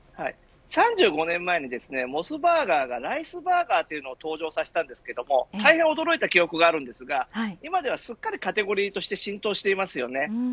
３５年前にモスバーガーがライスバーガーを登場させたんですが大変驚いた記憶がありますが今ではすっかりカテゴリーとして浸透していますよね。